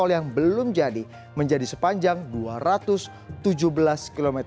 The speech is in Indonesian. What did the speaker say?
tol yang belum jadi menjadi sepanjang dua ratus tujuh belas km